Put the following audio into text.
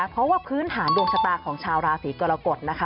เพราะว่าพื้นฐานดวงชะตาของชาวราศีกรกฎนะคะ